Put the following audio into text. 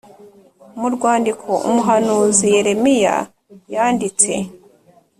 mu rwandiko umuhanuzi Yeremiya yanditse